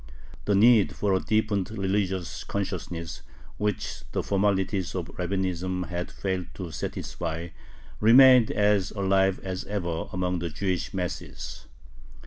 The need for a deepened religious consciousness, which the formalities of Rabbinism had failed to satisfy, remained as alive as ever among the Jewish masses.